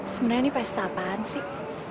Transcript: sebenarnya ini pesta apaan sih